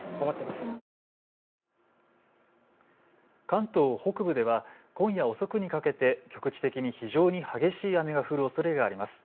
関東北部では今夜遅くにかけて局地的に非常に激しい雨が降るおそれがあります。